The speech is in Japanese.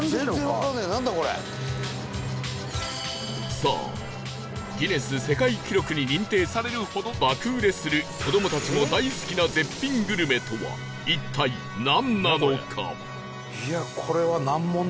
さあギネス世界記録に認定されるほど爆売れする子どもたちも大好きな絶品グルメとは一体なんなのか？